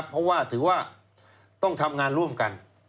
เพราะว่าถือว่าต้องทำงานร่วมกัน